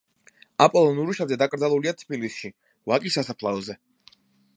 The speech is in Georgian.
აპოლონ ურუშაძე დაკრძალულია თბილისში, ვაკის სასაფლაოზე.